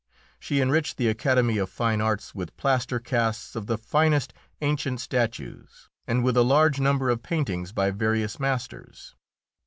She enriched the Academy of Fine Arts with plaster casts of the finest ancient statues and with a large number of paintings by various masters.